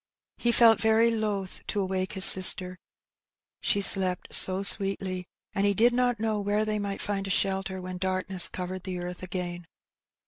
He felt very loth to awake liis sister, she slept so sweetly, and he did not know where 26 Heb Benny. they miglit find a shelter when darkness covered the earth again.